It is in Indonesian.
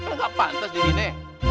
nggak pantas di gini